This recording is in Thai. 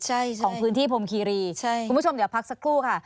ใช่ของพื้นที่พรมคีรีใช่คุณผู้ชมเดี๋ยวพักสักครู่ค่ะ